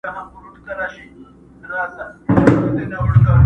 • چي پیدا کړي لږ ثروت بس هوایې سي.